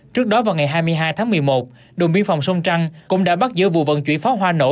trước đó vào ngày hai mươi hai tháng một mươi một đồn biên phòng sông trăng cũng đã bắt giữ vụ vận chuyển pháo hoa nổ